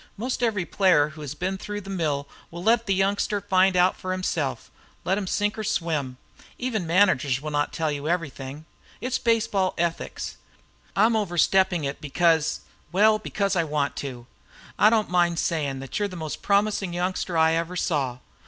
Most every player who has been through the mill will let the youngster find out for himself, let him sink or swim. Even managers will not tell you everything. It's baseball ethics. I'm overstepping it because well, because I want to. I don't mind saying that you 're the most promising youngster I ever saw.